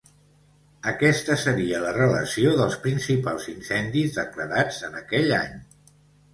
Aquesta seria la relació dels principals incendis declarats en aquell any.